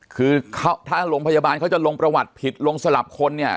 คือถ้าโรงพยาบาลเขาจะลงประวัติผิดลงสลับคนเนี่ย